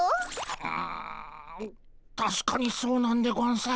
うんたしかにそうなんでゴンス。